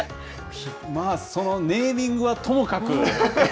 そのネーミングはともかく。